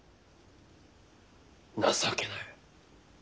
情けなや。